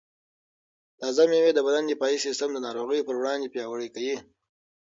تازه مېوې د بدن دفاعي سیسټم د ناروغیو پر وړاندې پیاوړی کوي.